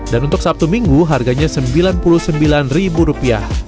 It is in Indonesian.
dan untuk sabtu minggu harganya rp sembilan puluh sembilan